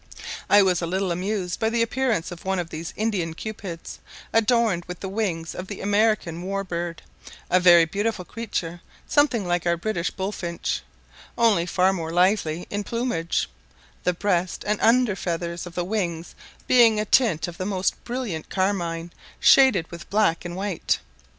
I was a little amused by the appearance of one of these Indian Cupids, adorned with the wings of the American war bird; a very beautiful creature, something like our British bullfinch, only far more lively in plumage: the breast and under feathers of the wings being a tint of the most brilliant carmine, shaded with black and white.